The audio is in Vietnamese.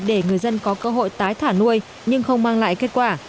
để người dân có cơ hội tái thả nuôi nhưng không mang lại kết quả